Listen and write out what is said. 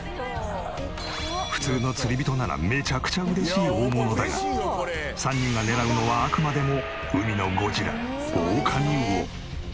普通の釣り人ならめちゃくちゃ嬉しい大物だが３人が狙うのはあくまでも海のゴジラオオカミウオ。